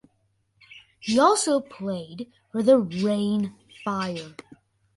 He also played for the Rhein Fire.